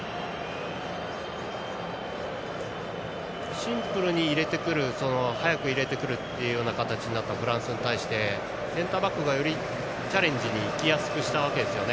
シンプルに入れてくる速く入れてくるという形になったフランスに対しセンターバックがよりチャレンジに行きやすくしたんですね。